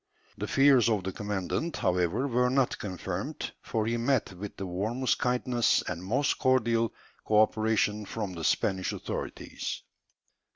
The fears of the commandant, however, were not confirmed, for he met with the warmest kindness and most cordial co operation from the Spanish authorities.